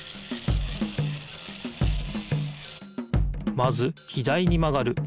まず左にまがる。